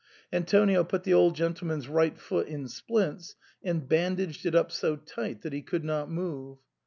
Antonio put the old gentleman's right foot in splints and bandaged it up so tight that he could not move.